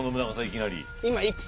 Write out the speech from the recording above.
いきなり。